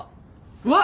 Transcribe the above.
うわっ！